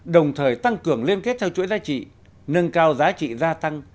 đồng thời tăng cường liên kết theo chuỗi giá trị nâng cao giá trị gia tăng